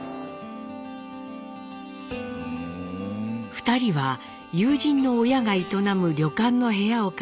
２人は友人の親が営む旅館の部屋を借りて暮らし始めます。